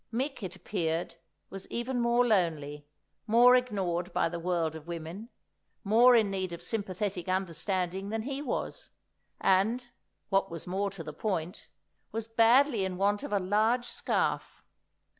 Mick, it appeared, was even more lonely, more ignored by the world of women, more in need of sympathetic understanding than he was; and—what was more to the point—was badly in want of a large scarf.